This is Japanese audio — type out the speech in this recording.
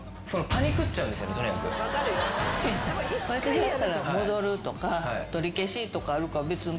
間違ったら戻るとか取り消しとかあるから別に。